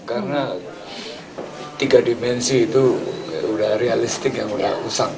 karena tiga dimensi itu udah realistik yang udah usang